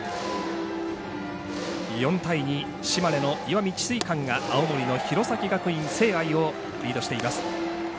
４対２、島根の石見智翠館が青森の弘前学院聖愛をリードしています。